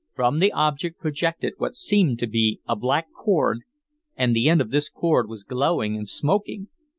From the object projected what seemed to be a black cord, and the end of this cord was glowing and smoking.